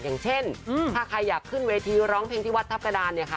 อย่างเช่นถ้าใครอยากขึ้นเวทีร้องเพลงที่วัดทัพกระดานเนี่ยค่ะ